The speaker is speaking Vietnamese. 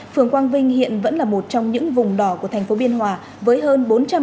phường quang vinh hiện vẫn là một trong những vùng đỏ của thành phố biên hòa với hơn bốn trăm linh